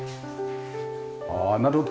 ああなるほど。